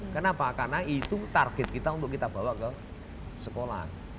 kenapa karena itu target kita untuk kita bawa ke sekolah